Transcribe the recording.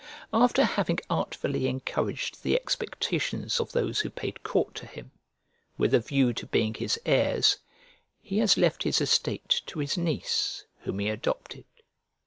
After having artfully encouraged the expectations of those who paid court to him, with a view to being his heirs, he has left his estate to his niece whom he adopted.